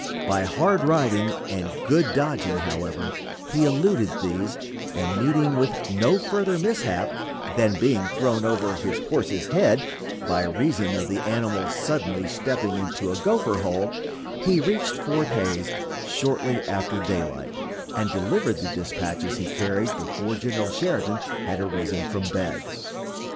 By hard riding and good dodging, however, he eluded these, and meeting with no further mishap than being thrown over his horse's head by reason of the animal suddenly stepping into a gopher hole, he reached Fort Hays shortly after daylight, and delivered the dispatches he carried before General Sheridan had arisen from bed.